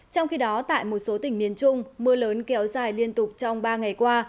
trong khi đó tại một số tỉnh miền trung mưa lớn kéo dài liên tục trong ba ngày qua